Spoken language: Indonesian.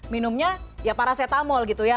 minumnya ya paracetamol gitu ya